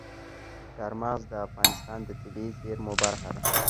چار مغز د افغانستان د طبیعي زیرمو برخه ده.